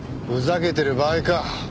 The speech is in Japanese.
ふざけてる場合か。